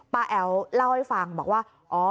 แอ๋วเล่าให้ฟังบอกว่า